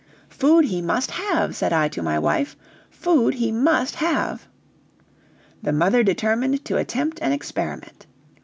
"Food he must have!" said I to my wife; "food he must have!" The mother determined to attempt an experiment.